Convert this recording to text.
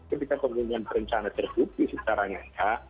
ketika pembunuhan perencanaan terhubungi secara nyata